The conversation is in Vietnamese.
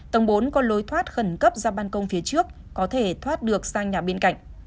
tầng bốn có lối thoát khẩn cấp ra bàn công phía trước có thể thoát được sang nhà bên cạnh